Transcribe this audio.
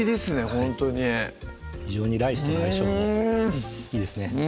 ほんとに非常にライスとの相性もいいですね